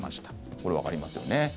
これは分かりますよね。